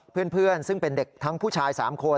เพื่อนซึ่งเป็นเด็กทั้งผู้ชาย๓คน